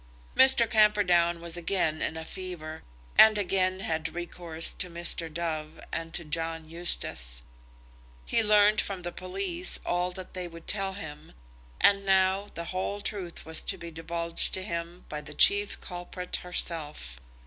Mr. Camperdown was again in a fever, and again had recourse to Mr. Dove and to John Eustace. He learned from the police all that they would tell him, and now the whole truth was to be divulged to him by the chief culprit herself.